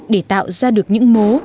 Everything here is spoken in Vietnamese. để tạo ra được những mố